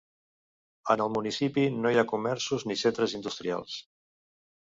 En el municipi no hi ha comerços ni centres industrials.